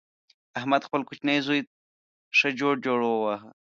احمد خپل کوچنۍ زوی ښه جوړ جوړ وواهه.